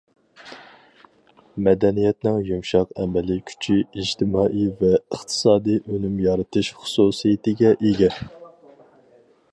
مەدەنىيەتنىڭ يۇمشاق ئەمەلىي كۈچى ئىجتىمائىي ۋە ئىقتىسادىي ئۈنۈم يارىتىش خۇسۇسىيىتىگە ئىگە.